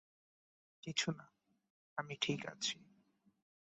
কিছু না, আমি ঠিক আছি।